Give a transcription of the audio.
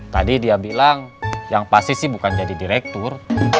tadi dia bilang yang pasti sih bukan jadi direktur